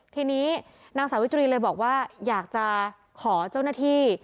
ทีนี้นางสาวิตรีเลยบอกว่าอยากจะขอเจ้าหน้าที่